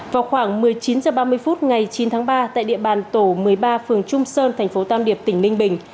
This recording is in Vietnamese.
vào khoảng một mươi chín h ba mươi phút ngày chín tháng ba tại địa bàn tổ một mươi ba phường trung sơn thành phố tam điệp tỉnh ninh bình